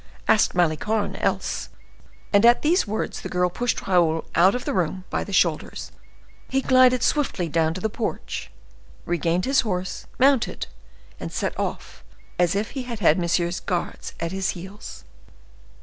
Ask Malicorne else!" And at these words the girl pushed Raoul out of the room by the shoulders. He glided swiftly down to the porch, regained his horse, mounted, and set off as if he had had Monsieur's guards at his heels.